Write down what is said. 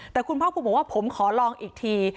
แต่คุณภาคภูมิบอกว่าผมขอลองอีกที